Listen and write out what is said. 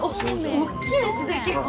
大きいですね、結構。